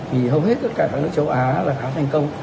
vì hầu hết các nước châu á là khá thành công